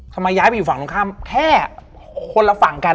ย้ายไปอยู่ฝั่งตรงข้ามแค่คนละฝั่งกัน